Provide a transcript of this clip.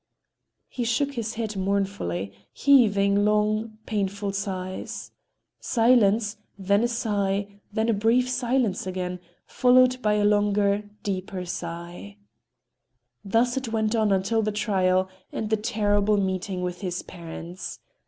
He shook his head mournfully, heaving long, painful sighs. Silence—then a sigh; then a brief silence again—followed by a longer, deeper sigh. Thus it went on until the trial and the terrible meeting with his parents.